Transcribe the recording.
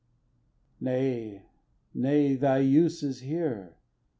Nay, nay, thy use is here.